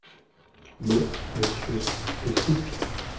Non, monsieur, elle soupe.